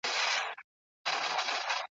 د ګل پر سیمه هر سبا راځمه ..